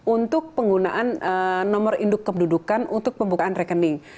untuk penggunaan nomor induk kependudukan untuk pembukaan rekening